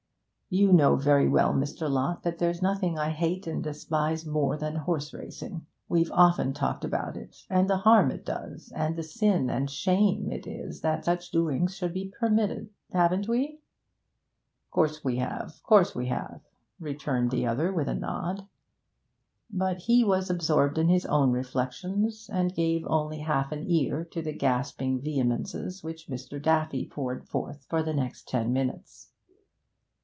You know very well, Mr. Lott, that there's nothing I hate and despise more than horse racing. We've often talked about it, and the harm it does, and the sin and shame it is that such doings should be permitted haven't we?' 'Course we have, course we have,' returned the other, with a nod. But he was absorbed in his own reflections, and gave only half an ear to the gasping vehemences which Mr. Daffy poured forth for the next ten minutes.